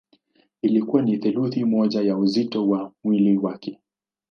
Ilikuwa ni theluthi moja ya uzito wa mwili wake.